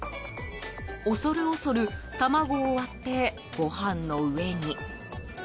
恐る恐る卵を割ってご飯の上に。